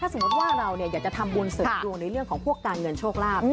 ถ้าสมมุติว่าเราเนี่ยอยากจะทำบุญศึกรวงในเรื่องของพวกการเงินโชคลาภ